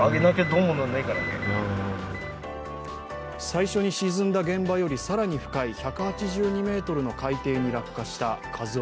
最初に沈んだ現場より更に深い１８２ｍの海底に落下した「ＫＡＺＵⅠ」。